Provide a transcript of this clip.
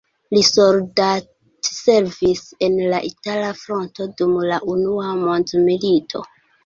Li soldatservis en la itala fronto dum la unua mondmilito.